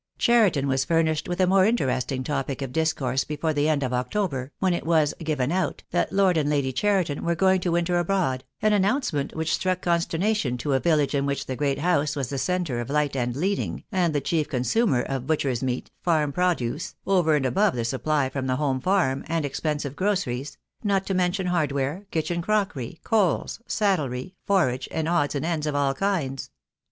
Cheriton was furnished with a more interesting topic of discourse before the end of October, when it was "given out" that Lord and Lady Cheriton were going to winter abroad, an announcement which struck consterna tion to a village in which the great house was the centre of light and leading, and the chief consumer of butcher's meat, farm produce — over and above the supply from the home farm — and expensive groceries; not to mention hardware, kitchen crockery, coals, saddlery, forage, and odds and ends of all kinds.